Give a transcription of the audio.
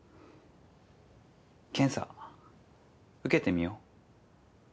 検査受けてみよう。